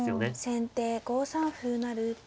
先手５三歩成。